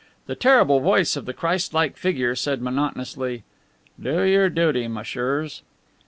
The terrible voice of the Christ like figure said monotonously: "Do your duty, messieurs."